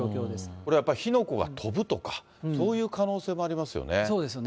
これ、やっぱり火の粉が飛ぶとか、そういう可能性もありますそうですね。